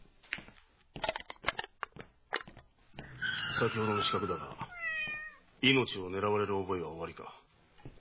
先ほどの刺客だが命を狙われる覚えがおありか。